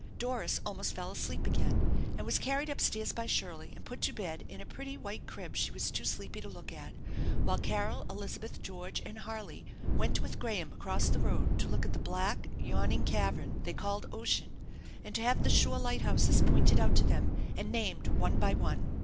Doris almost fell asleep again, and was carried up stairs by Shirley and put to bed in a pretty white crib she was too sleepy to look at, while Carol, Elizabeth, George, and Harley went with Graham across the road to look at the black, yawning cavern they called ocean, and to have the shore light houses pointed out to them and named one by one.